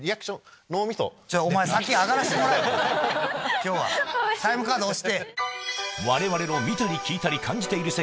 今日はタイムカード押して。